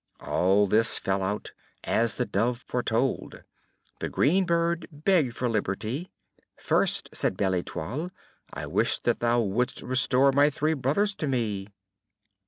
All this fell out as the Dove foretold. The green bird begged for liberty. "First," said Belle Etoile, "I wish that thou wouldst restore my three brothers to me."